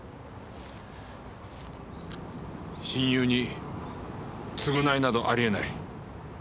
親友に償いなどあり得ない。